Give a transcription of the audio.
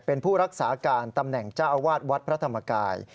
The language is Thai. เป็นผู้รักษาการตำแหน่งเจ้าอาวาสวัดพระธรรมกาย